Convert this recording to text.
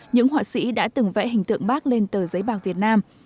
những họa sĩ đã từng vẽ hình tượng bác lên tờ giấy bạc việt nam